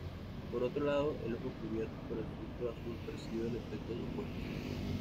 Por otro lado, el ojo cubierto por el filtro azul percibe el efecto opuesto.